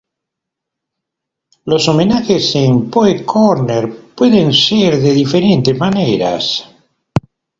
Los homenajes en "Poets' Corner" pueden ser de diferentes maneras.